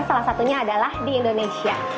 salah satunya adalah di indonesia